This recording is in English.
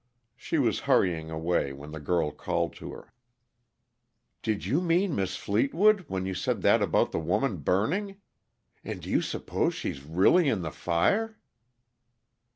She was hurrying away, when the girl called to her. "Did you mean Mis' Fleetwood, when you said that about the woman burning? And do you s'pose she's really in the fire?"